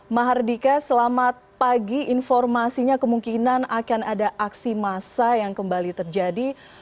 mahardika selamat pagi informasinya kemungkinan akan ada aksi massa yang kembali terjadi